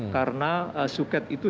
karena suket itu